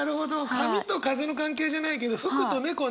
髪と風の関係じゃないけど服と猫ね。